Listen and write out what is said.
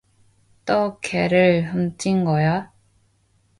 또 개를 훔친 거야?